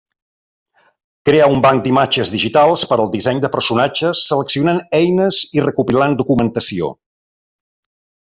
Crea un banc d'imatges digitals per al disseny de personatges seleccionant eines i recopilant documentació.